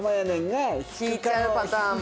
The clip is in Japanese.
引いちゃうパターンも。